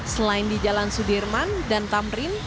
selain di jalan sudirman dan tamrin